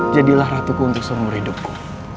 jadilah ratuku untuk seumur hidupku